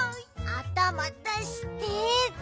あたま出して。